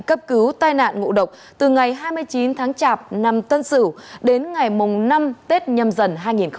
cấp cứu tai nạn ngộ độc từ ngày hai mươi chín tháng chạp năm tân sửu đến ngày năm tết nhâm dần hai nghìn hai mươi